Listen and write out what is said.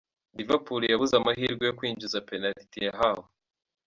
Liverpool yabuze amahirwe yo kwinjiza Penalite yahawe.